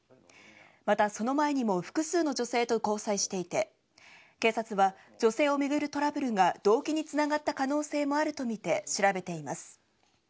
また、その前にも複数の女性と交際していて警察は女性を巡るトラブルが動機につながった可能性もあるとみて調べています。